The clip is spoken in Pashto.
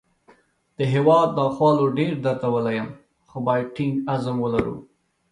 د هیواد ناخوالو ډېر دردولی یم، خو باید ټینګ عزم ولرو